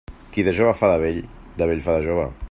Qui de jove fa de vell, de vell fa de jove.